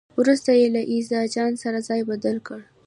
وروسته یې له ایاز جان سره ځای بدل کړ.